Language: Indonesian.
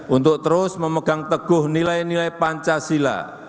untuk terus memegang teguh nilai nilai pancasila